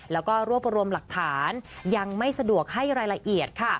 แล้วก็รวบรวมหลักฐานยังไม่สะดวกให้รายละเอียดค่ะ